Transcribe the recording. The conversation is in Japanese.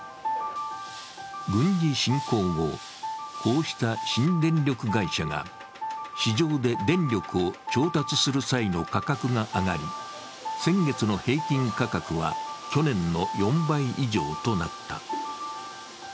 軍事侵攻後、こうした新電力会社が市場で電力を調達する際の価格が上がり、先月の平均価格は去年の４倍以上となった。